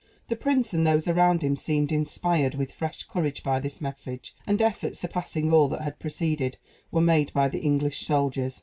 The prince, and those around him, seemed inspired with fresh courage by this message; and efforts surpassing all that had preceded were made by the English soldiers.